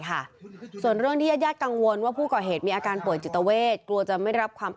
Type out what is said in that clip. อย่างนี้มีเรื่องเรื่องยาดกังวลว่าคุณผู้ก่อเหตุเป็นคณีโบราชศัตริย์